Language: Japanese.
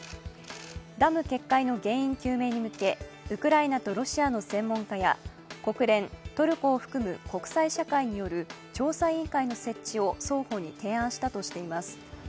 ダム決壊の原因究明に向けウクライナやロシアの専門家や国連、トルコを含む国際社会による調査委員会の設置を双方に提案したとしています。